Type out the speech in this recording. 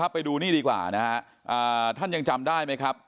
ไปดูนี่ดีกว่านะฮะท่านยังจำได้ไหมครับ